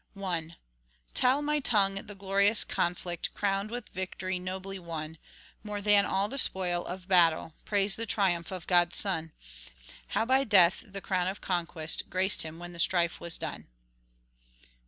I Tell, my tongue, the glorious conflict, Crowned with victory nobly won;— More than all the spoil of battle, Praise the triumph of God's Son; How by death the crown of conquest Graced Him when the strife was done.